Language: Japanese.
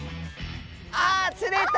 ああ釣れた！